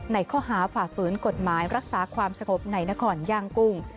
ข้อหาฝ่าฝืนกฎหมายรักษาความสงบในนครย่างกุ้ง